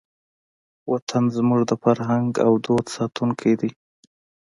وطن زموږ د فرهنګ او دود ساتونکی دی.